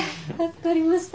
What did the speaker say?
助かりました。